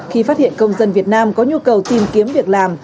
khi phát hiện công dân việt nam có nhu cầu tìm kiếm việc làm